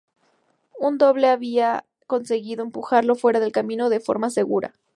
Un doble había conseguido empujarlo fuera del camino de forma segura.